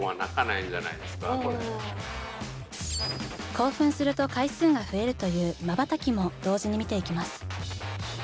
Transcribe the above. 興奮すると回数が増えるという「瞬き」も同時に見ていきます。